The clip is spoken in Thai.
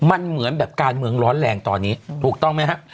มันเหมือนแบบการเมืองร้อนแรงตอนนี้ถูกต้องไหมฮะ